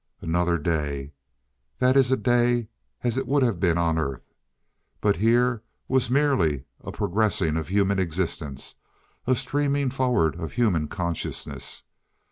Another day that is a day as it would have been on Earth. But here was merely a progressing of human existence a streaming forward of human consciousness.